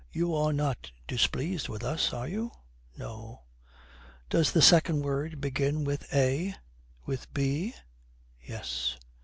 You are not displeased with us, are you? No. Does the second word begin with A? with B? Yes.'